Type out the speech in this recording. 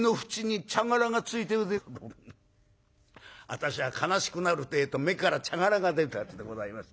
「私は悲しくなるってえと目から茶殻が出るたちでございます」。